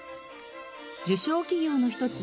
受賞企業の一つ